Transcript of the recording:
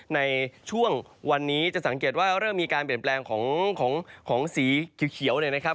ในช่วงวันนี้จะสังเกตว่าเริ่มมีการเปลี่ยนแปลงของสีเขียวเนี่ยนะครับ